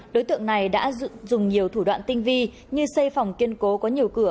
đối tượng này đã dùng nhiều thủ đoạn tinh vi như xây phòng kiên cố có nhiều cửa